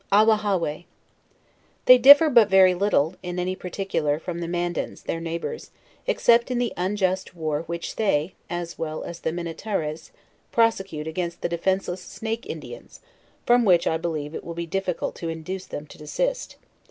AHWAHHAWAY They differ but very little, in any partic ular, from the Mandans, their neighbors, except in the unjust war which they, as well as the Minetares, prosecute against the defenceless Snake Indians, from which, I believe, it will be difficult to induce them to desist.